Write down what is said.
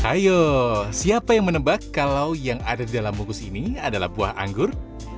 ayo siapa yang menebak kalau yang ada di dalam bungkus ini adalah buah anggur